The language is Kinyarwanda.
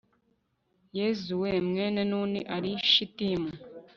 yozuwe, mwene nuni, ari i shitimu